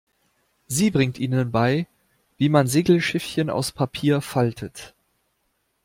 Sie bringt ihnen bei, wie man Segelschiffchen aus Papier faltet.